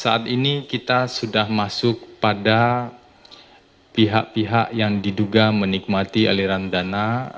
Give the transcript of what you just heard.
saat ini kita sudah masuk pada pihak pihak yang diduga menikmati aliran dana